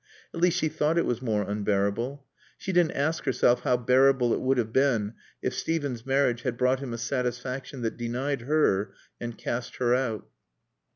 At least she thought it was more unbearable. She didn't ask herself how bearable it would have been if Steven's marriage had brought him a satisfaction that denied her and cast her out.